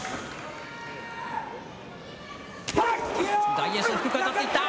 大栄翔、低く当たっていった。